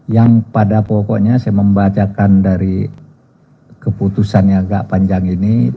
yang pada pokoknya saya membacakan dari keputusan yang agak panjang ini